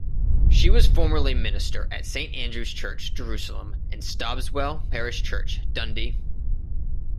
She was formerly minister at Saint Andrew's Church, Jerusalem and Stobswell Parish Church, Dundee.